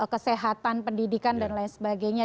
kesehatan pendidikan dan lain sebagainya